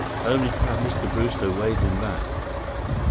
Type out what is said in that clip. only to have Mr. Brewster wave him back.